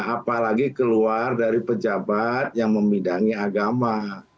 apalagi keluar dari pejabat yang memidangi agama